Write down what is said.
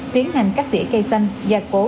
tiến hành cắt tỉa cây xanh gia cố